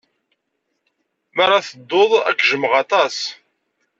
Mi ara tedduḍ, ad k-jjmeɣ aṭas.